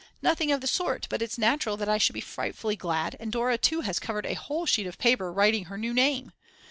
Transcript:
Nothing of the sort, but it's natural that I should be frightfully glad and Dora too has covered a whole sheet of paper writing her new name.